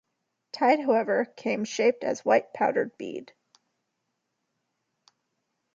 Tide, however, came shaped as a white powdered bead.